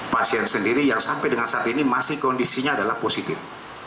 pasien sendiri yang sampai dengan saat ini masih kondisinya adalah positif